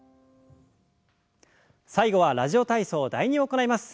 最後は「ラジオ体操第２」を行います。